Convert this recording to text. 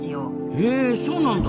へそうなんだ。